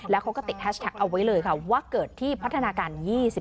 แล้วเขาก็ติดแฮชแท็กเอาไว้เลยค่ะว่าเกิดที่พัฒนาการ๒๔